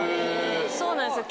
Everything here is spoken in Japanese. そうなんですよ